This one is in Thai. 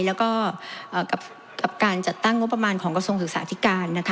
แล้วก็กับการจัดตั้งงบประมาณของกระทรวงศึกษาธิการ